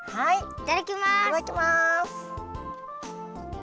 いただきます！